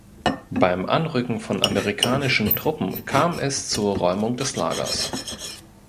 Beim Anrücken von amerikanischen Truppen kam es zur Räumung des Lagers.